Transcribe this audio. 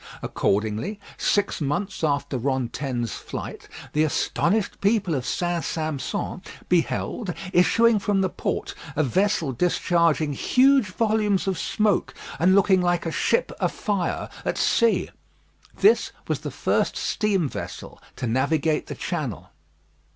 Accordingly, six months after Rantaine's flight, the astonished people of St. Sampson beheld, issuing from the port, a vessel discharging huge volumes of smoke, and looking like a ship a fire at sea. This was the first steam vessel to navigate the Channel.